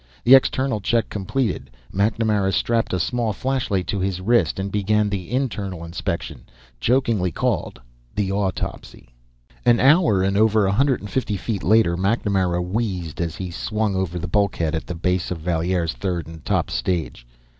The external check completed, MacNamara strapped a small flashlight to his wrist and began the internal inspection, jokingly called the autopsy. An hour and over a hundred and fifty feet later, MacNamara wheezed as he swung over the bulkhead at the base of Valier's third and top stage.